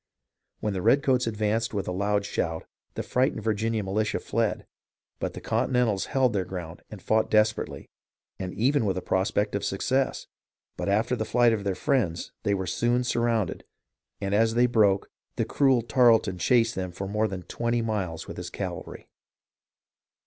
When the redcoats advanced with a loud shout, the fright ened Virginia militia fled ; but the Continentals held their ground and fought desperately, and even with a prospect of success ; but after the flight of their friends, they were soon surrounded, and as they broke, the cruel Tarleton chased them for more than twenty miles with his cavalry.